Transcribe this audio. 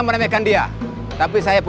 tidak ada yang tahu